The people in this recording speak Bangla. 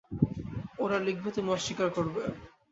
ওরা লিখবে, তুমি অস্বীকার করবে।